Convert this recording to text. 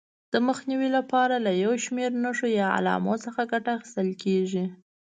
د مخنیوي لپاره له یو شمېر نښو یا علامو څخه ګټه اخیستل کېږي.